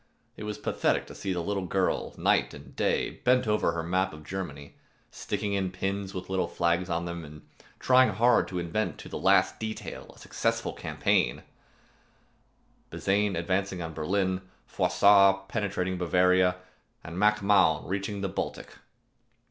It was pathetic to see the little girl, night and day, bent over her map of Germany, sticking in pins with little flags on them, and trying hard to invent to the last detail a successful campaign: Bazaine advancing on Berlin, Frossard penetrating Bavaria, and Mac Mahon reaching the Baltic.